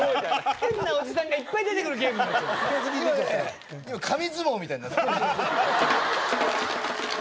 変なおじさんがいっぱい出て来るゲームになっちゃう。